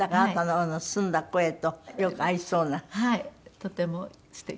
とても素敵です。